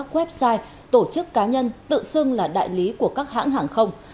website tổ chức cá nhân tự xưng là đại lý của các hãng hàng không